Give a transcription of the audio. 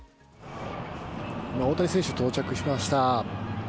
今、大谷選手が到着しました。